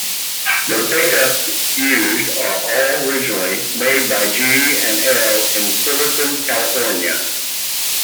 The pickups used are all originally made by G and L in Fullerton, California.